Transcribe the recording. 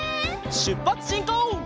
しゅっぱつしんこう！